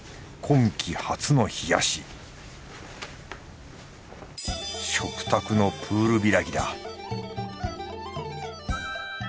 今期初の冷やし食卓のプール開きだ